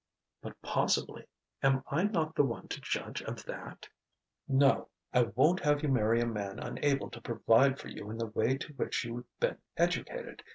"But possibly am I not the one to judge of that?" "No: I won't have you marry a man unable to provide for you in the way to which you've been educated.